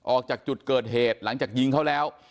ออกจากจุดเกิดเหตุหลังจากยิงเขาแล้ว